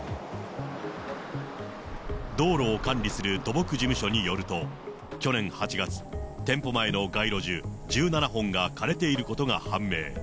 道路を管理する土木事務所によると、去年８月、店舗前の街路樹１７本が枯れていることが判明。